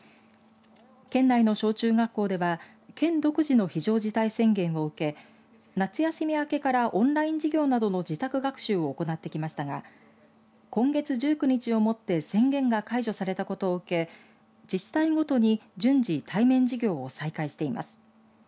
県内の小中学校では県独自の非常事態宣言を受け夏休み明けからオンライン授業などの自宅学習を行ってきましたが今月１９日をもって宣言が解除されたことを受け自治体ごとに、順次対面授業を再開しています。